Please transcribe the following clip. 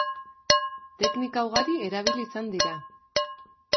Teknika ugari erabili izan dira.